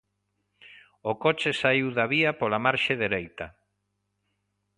O coche saíu da vía pola marxe dereita.